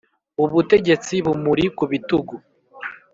Ubutegetsi bumuri ku bitugu,